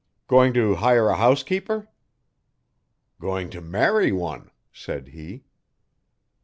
'Going to hire a housekeeper? 'Going to marry one,' said he.